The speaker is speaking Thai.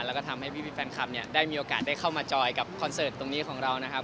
แล้วก็ทำให้พี่แฟนคลับเนี่ยได้มีโอกาสได้เข้ามาจอยกับคอนเสิร์ตตรงนี้ของเรานะครับ